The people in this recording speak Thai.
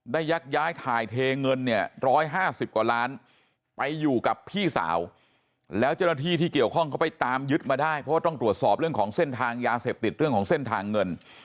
ยักย้ายถ่ายเทเงินเนี่ย๑๕๐กว่าล้านไปอยู่กับพี่สาวแล้วเจ้าหน้าที่ที่เกี่ยวข้องเขาไปตามยึดมาได้เพราะว่าต้องตรวจสอบเรื่องของเส้นทางยาเสพติดเรื่องของเส้นทางเงิน